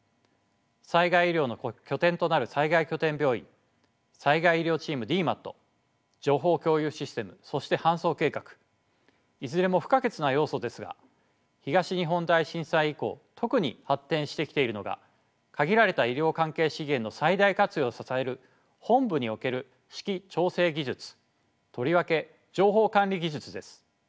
災害医療の拠点となる災害拠点病院災害医療チームＤＭＡＴ情報共有システムそして搬送計画いずれも不可欠な要素ですが東日本大震災以降特に発展してきているのが限られた医療関係資源の最大活用を支える本部における指揮調整技術とりわけ情報管理技術です。